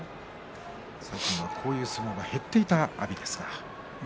最近はこういう相撲が減っていた阿炎ですが。